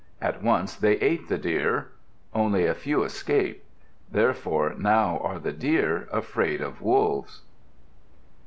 At once they ate the Deer. Only a few escaped. Therefore now are the Deer afraid of Wolves.